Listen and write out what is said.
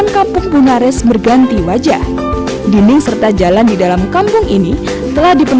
kampung wisata tiga d